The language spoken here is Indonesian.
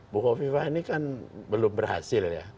bukofifa ini kan belum berhasil